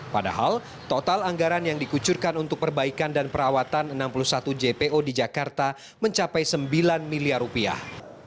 padahal total anggaran yang dikucurkan untuk perbaikan dan perawatan enam puluh satu jpo di jakarta mencapai sembilan miliar rupiah